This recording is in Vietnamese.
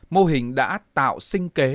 mô hình đã tạo sinh kế